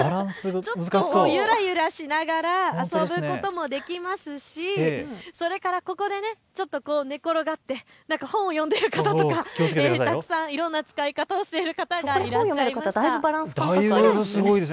ちょっとゆらゆらしながら遊ぶこともできますしそれから、ここで寝転がって本を読んでいる方とか、たくさんいろんな使い方をしている方がいらっしゃいました。